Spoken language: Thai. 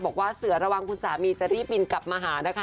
บอกว่าเสือระวังคุณสามีจะรีบบินกลับมาหานะคะ